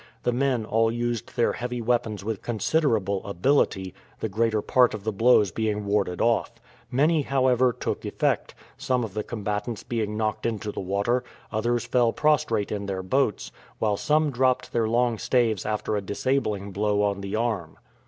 The men all used their heavy weapons with considerable ability, the greater part of the blows being warded off. Many, however, took effect, some of the combatants being knocked into the water, others fell prostrate in their boats, while some dropped their long staves after a disabling blow on the arm.